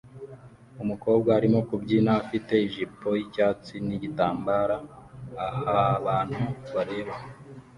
Umukobwa arimo kubyina afite ijipo yicyatsi nigitambara abantu bareba